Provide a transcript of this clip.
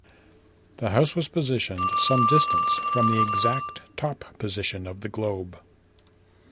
The house was positioned some distance from the exact top position of the Globe.